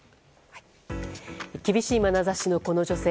厳しいまなざしのこの女性